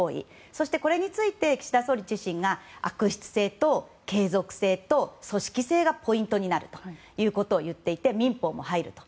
そして、これについて岸田総理自身が悪質性と継続性と組織性がポイントになると言っていて、民法も入ると。